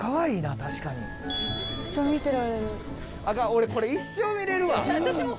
俺これ一生見れるわ。